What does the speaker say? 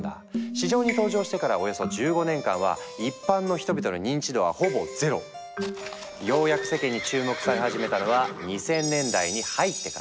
市場に登場してからようやく世間に注目され始めたのは２０００年代に入ってから。